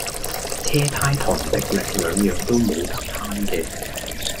車呔同迫力兩樣都冇得慳嘅